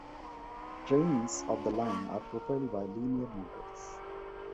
Trains of the line are propelled by linear motors.